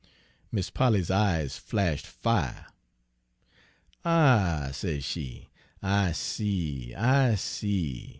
"Mis' Polly's eyes flash' fire. "'Ah,' says she,' I see I see!